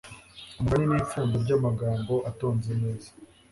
umugani ni ipfundo ry'amagambo atonze neza